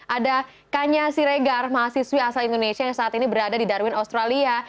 ada kanya siregar mahasiswi asal indonesia yang saat ini berada di darwin australia